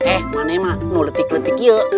eh malah emang mau letik letik ya